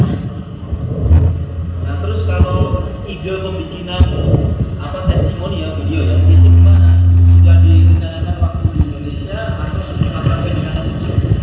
nah terus kalau ide pemikiran apa testimoni ya video yang dikirimkan sudah dipercayakan waktu di indonesia atau sudah sampai di tanah suci